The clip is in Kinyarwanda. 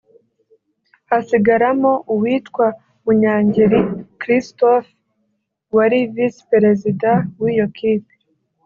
hasigaramo uwitwa Munyangeri Christophe wari Visi-Perezida w’iyo kipe